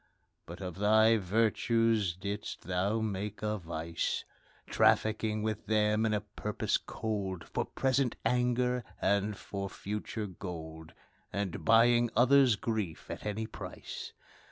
But of thy virtues didst thou make a vice, Trafficking with them in a purpose cold, For present anger, and for future gold And buying others' grief at any price.